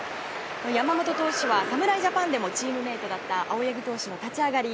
山本投手は侍ジャパンでもチームメートだった青柳投手の立ち上がり